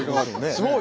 すごい！